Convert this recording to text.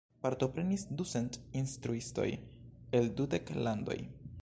Partoprenis ducent instruistoj el dudek landoj.